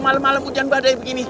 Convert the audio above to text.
malam malam hujan badai begini